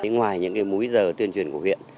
ngoài những múi giờ tuyên truyền của huyện